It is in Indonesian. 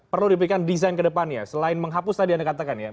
perlu dipikirkan desain kedepannya selain menghapus tadi yang dikatakan ya